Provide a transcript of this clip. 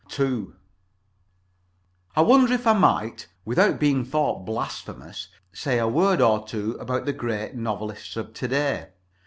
II I wonder if I might, without being thought blasphemous, say a word or two about the Great Novelists of to day.